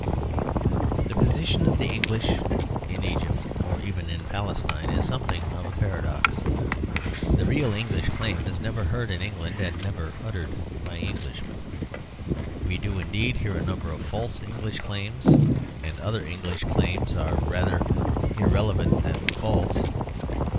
The position of the English in Egypt or even in Palestine is something of a paradox. The real English claim is never heard in England and never uttered by Englishmen. We do indeed hear a number of false English claims, and other English claims that are rather irrelevant than false.